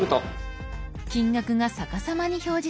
金額が逆さまに表示されます。